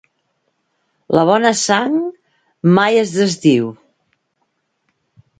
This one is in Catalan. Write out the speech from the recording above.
La bona sang mai es desdiu.